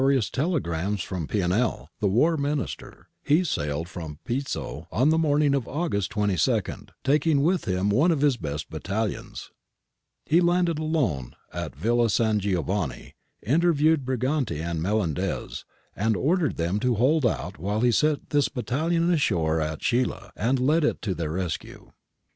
I CONDITION OF THE BOURBON TROOPS 135 telegrams from Pianell, the War Minister, he sailed from Pizzo on the morning of August 22, taking with him one of 'his best battalions. He landed alone at Villa San Giovanni, interviewed Briganti and Melendez, and ordered them to hold out while he set this battalion ashore at Scilla and led it to their rescue.